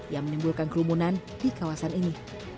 yang menimbulkan kerumunan di kawasan ini